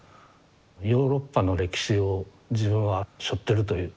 ヨーロッパの歴史を自分はしょってるという。